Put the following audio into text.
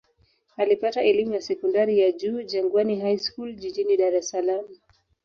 Alipata elimu ya sekondari ya juu Jangwani High School jijini Dar es Salaam.